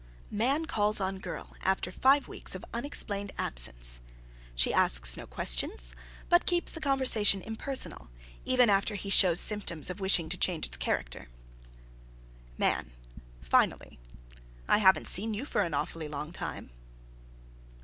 _MAN calls on GIRL after five weeks of unexplained absence. She asks no questions, but keeps the conversation impersonal, even after he shows symptoms of wishing to change its character._ MAN. (Finally.) "I haven't seen you for an awfully long time."